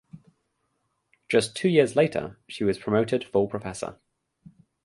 Just two years later she was promoted full professor.